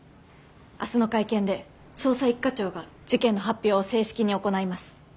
明日の会見で捜査一課長が事件の発表を正式に行います。